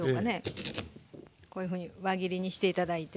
こういうふうに輪切りにして頂いて。